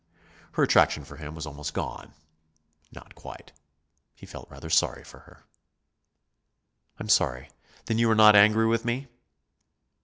Her attraction for him was almost gone not quite. He felt rather sorry for her. "I'm sorry. Then you are not angry with me?"